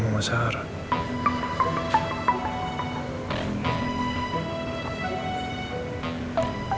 sampai jumpa lagi